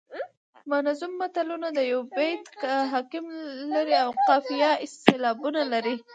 منظوم متلونه د یوه بیت حکم لري او قافیه او سیلابونه لري